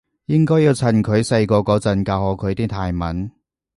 應該要趁佢細個嗰陣教好佢啲泰文